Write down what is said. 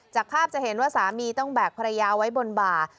จากภาพจะเห็นว่าสามีต้องแบกภรรยาไว้บนบ่า